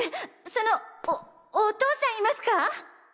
そのおお父さんいますか！？